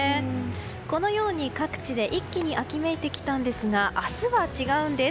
このように各地で一気に秋めいてきたんですが明日は違うんです。